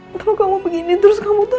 kalau kamu beginiin terus kamu tuh